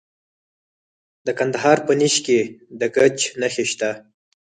د کندهار په نیش کې د ګچ نښې شته.